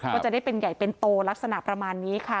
ก็จะได้เป็นใหญ่เป็นโตลักษณะประมาณนี้ค่ะ